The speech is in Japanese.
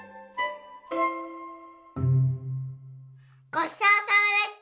ごちそうさまでした！